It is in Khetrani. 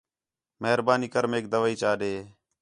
مہربانی کر میک دوائی چا ݙے